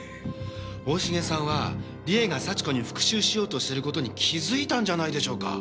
大重さんは理恵が幸子に復讐しようとしてる事に気づいたんじゃないでしょうか？